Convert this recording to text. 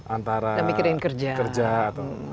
antara kerja atau